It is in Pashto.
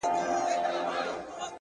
ســتا لپـــاره خــــو دعـــــا كـــــړم”